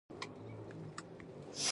• واده د شریکې خوشحالۍ پیل دی.